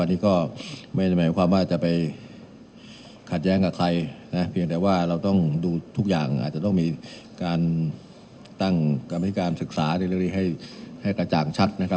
อันนี้ก็ไม่หมายความว่าจะไปขัดแย้งกับใคร